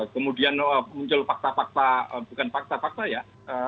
kemudian muncul fakta fakta bukan fakta fakta ya